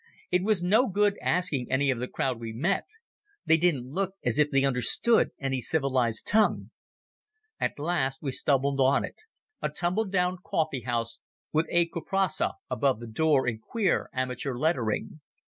It was no good asking any of the crowd we met. They didn't look as if they understood any civilized tongue. At last we stumbled on it—a tumble down coffee house, with A. Kuprasso above the door in queer amateur lettering.